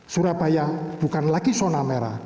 surabaya bukan lagi zona merah